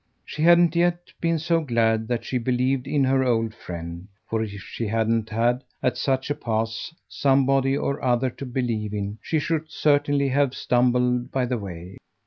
She hadn't yet been so glad that she believed in her old friend: for if she hadn't had, at such a pass, somebody or other to believe in she should certainly have stumbled by the way.